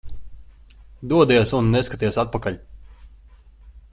Dodies un neskaties atpakaļ.